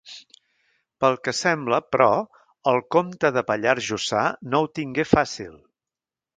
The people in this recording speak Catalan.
Pel que sembla, però, el comte de Pallars Jussà no ho tingué fàcil.